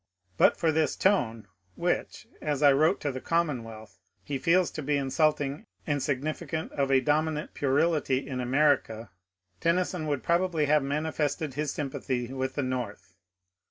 But for this tone which, as I wrote to the '^ Commonwealth," *^ he feels to be insulting and significant of a dominant puer ility in America," Tennyson would probably have manifested his sympathy with the North.